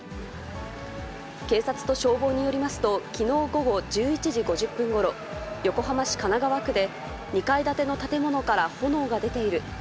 警察と消防によりますと、きのう午後１１時５０分ごろ、横浜市神奈川区で、２階建ての建物から炎が出ている。